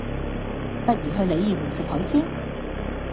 不如去鯉魚門食海鮮？